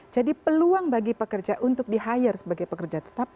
jadi peluang bagi pekerja untuk di hire sebagai pekerja tetap